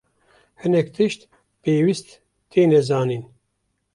Hinek tişt pêwîst têne zanîn.